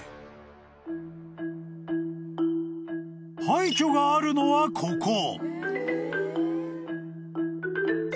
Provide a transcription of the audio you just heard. ［廃墟があるのはここ］